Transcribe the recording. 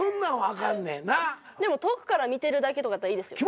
でも遠くから見てるだけとかやったらいいですよね？